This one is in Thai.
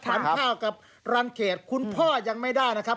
ฝันเท่ากับรังเกตคุณพ่อยังไม่ได้นะครับ